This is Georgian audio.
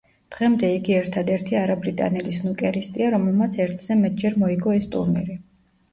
დღემდე იგი ერთადერთი არაბრიტანელი სნუკერისტია, რომელმაც ერთზე მეტჯერ მოიგო ეს ტურნირი.